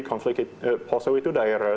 konflik poso itu daerah